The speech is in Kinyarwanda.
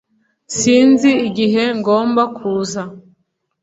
Sinzi igihe ngomba kuza